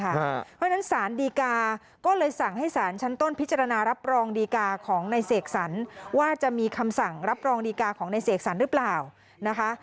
เพราะฉะนั้นสารดีกาก็เลยสั่งให้สารชั้นต้นพิจารณารับรองดีกาของนายเสกสรรว่าจะมีคำสั่งรับรองดีกาของในเสกสรรหรือเปล่านะคะ